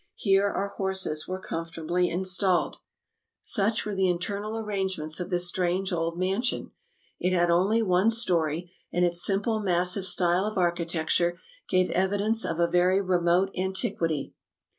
Here our horses were comfortably installed. Such were the internal arrangements of this strange old mansion. It had only one story; and its simple, massive style of architecture gave evidence of a very remote antiquity.